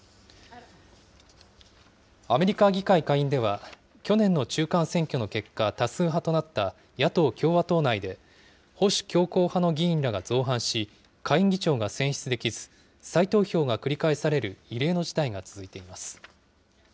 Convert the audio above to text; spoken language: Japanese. アメリカ議会下院では、去年の中間選挙の結果、多数派となった野党・共和党内で、保守強硬派の議員らが造反し、下院議長が選出できず、再投票が繰り返される異例の事態が続いています。